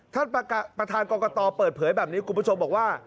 ท่านประธานกรกตเปิดเผยแบบนี้คุณผู้ชมบอกว่า